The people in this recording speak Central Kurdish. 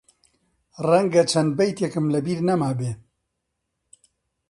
ڕەنگە چەند بەیتێکم لە بیر نەمابێ